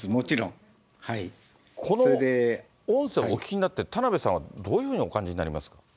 この音声をお聞きになって、田辺さんはどういうふうにお感じになりますか。